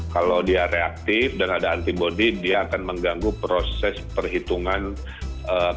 kalau dia reaktif dan ada antibodi dia akan mengganggu proses perhitungan kalkulasi vaksin